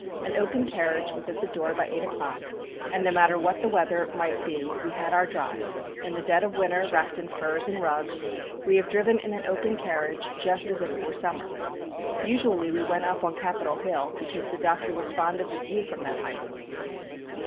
An open carriage was at the door by 8 o'clock, and no matter what the weather might be we had our drive. In the dead of winter, wrapped in furs and rugs, we have driven in an open carriage just as if it were summer. Usually we went up on Capitol Hill because the Doctor was fond of the view from that height.